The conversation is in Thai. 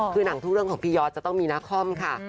คือหนังทุกเรื่องของพี่ยอดจะต้องมีนาคอมค่ะ